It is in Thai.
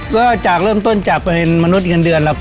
ก็เริ่มต้นจากประเภทมนุษย์เงินเดือนแล้ว